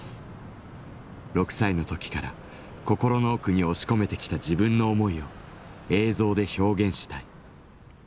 ６歳の時から心の奥に押し込めてきた自分の思いを映像で表現したい。